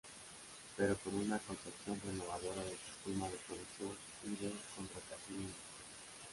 Pero con una concepción renovadora del sistema de producción y de contratación industrial.